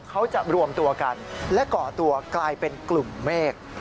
เขาจะรวมตัวกันและก่อตัวกลายเป็นกลุ่มเมฆ